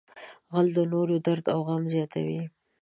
غل د نورو درد او غم زیاتوي